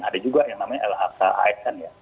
ada juga yang namanya lhk asn ya